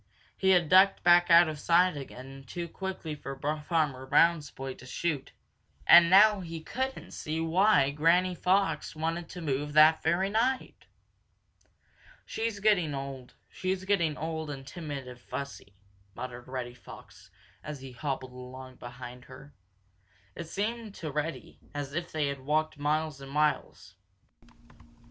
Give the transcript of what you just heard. He had ducked back out of sight again too quickly for Farmer Brown's boy to shoot, and now he couldn't see why old Granny Fox wanted to move that very night. "She's getting old. She's getting old and timid and fussy," muttered Reddy Fox, as he hobbled along behind her. It seemed to Reddy as if they had walked miles and miles.